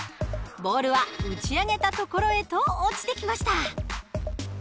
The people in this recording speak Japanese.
ボールは打ち上げた所へと落ちてきました。